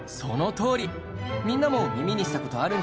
みんなも耳にしたことあるんじゃないかな。